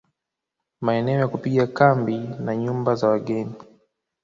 Maeneo ya kupiga kambi na nyumba za wageni